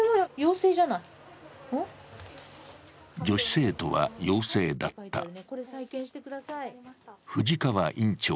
女子生徒は陽性だった。